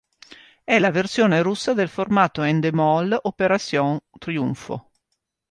È la versione russa del formato Endemol Operación Triunfo.